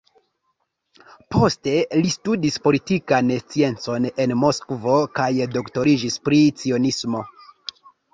Poste li studis politikan sciencon en Moskvo kaj doktoriĝis pri cionismo.